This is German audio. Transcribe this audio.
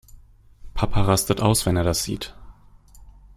Papa rastet aus, wenn er das sieht.